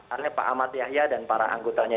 artinya pak amat yahya dan para angkotanya